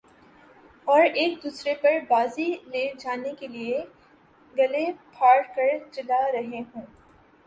اور ایک دوسرے پر بازی لے جانے کیلئے گلے پھاڑ کر چلا رہے ہوں گے